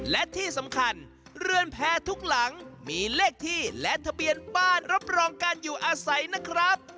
และที่สำคัญเรือนแพร่ทุกหลังมีเลขที่และทะเบียนบ้านรับรองการอยู่อาศัยนะครับ